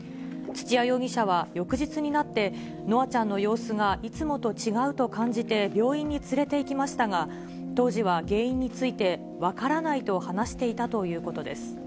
土屋容疑者は翌日になって、夢空ちゃんの様子がいつもと違うと感じて病院に連れていきましたが、当時は原因について、分からないと話していたということです。